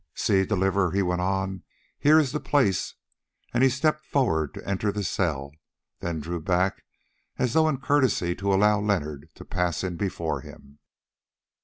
"See, Deliverer," he went on, "here is the place," and he stepped forward to enter the cell, then drew back as though in courtesy to allow Leonard to pass in before him.